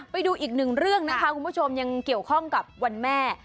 ไปดูอีกหนึ่งเรื่องนะคะคุณผู้ชมยังเกี่ยวข้องกับวันแม่